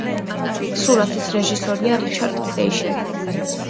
სურათის რეჟისორია რიჩარდ ფლეიშერი.